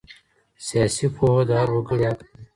سیاسي پوهه د هر وګړي حق دی.